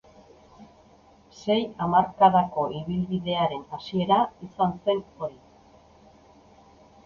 Sei hamarkadako ibilbidearen hasiera izan zen hori.